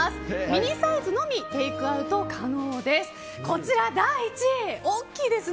ミニサイズのみテイクアウト可能です。